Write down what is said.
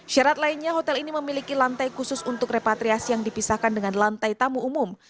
syarat lainnya hotel ini memiliki lantai khusus untuk repatriasi yang dipisahkan dengan lantai tamu umum